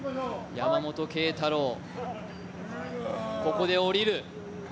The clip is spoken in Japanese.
山本桂太朗、ここで降りる。